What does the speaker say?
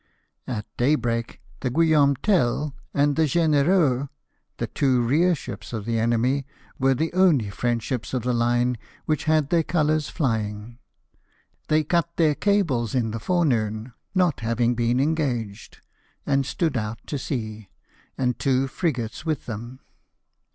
At daybreak the Guillaume Tell and the Genereux, the two rear ships of the enemy, were the only French ships of the line which had their colours flying ; they cut their cables in the forenoon, not having been K 146 LIFE OF NELSON. engaged, and stood out to sea, and two frigates with them.